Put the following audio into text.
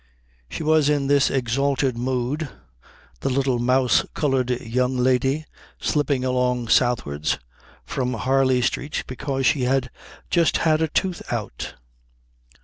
She was in this exalted mood, the little mouse coloured young lady slipping along southwards from Harley Street, because she had just had a tooth out.